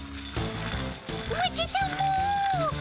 待ってたも！